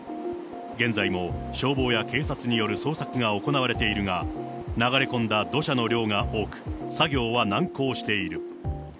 現在も消防や警察による捜索が行われているが、流れ込んだ土砂の量が多く、作業は難航している。